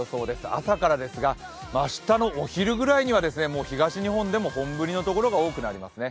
朝からですが、明日のお昼ぐらいには東日本でも、本降りのところが多くなりますね。